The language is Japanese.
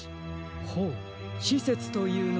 ほうしせつというのは？